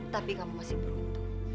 tapi kamu masih beruntung